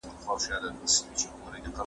د عضلاتو انقباض د بدن تودوخه لوړوي.